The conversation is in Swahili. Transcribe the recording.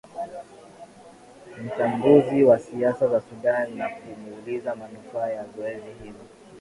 mchambuzi wa siasa za sudan na kumuuliza manufaa ya zoezi hilo